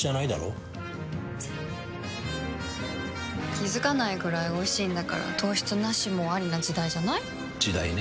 気付かないくらいおいしいんだから糖質ナシもアリな時代じゃない？時代ね。